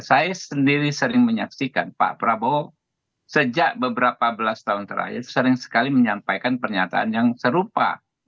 saya sendiri sering menyaksikan pak prabowo sejak beberapa belas tahun terakhir sering sekali menyampaikan pernyataan yang serupa